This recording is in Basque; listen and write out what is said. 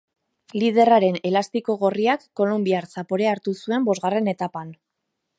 Liderraren elastiko gorriak kolonbiar zaporea hartu zuen bosgarren etapan.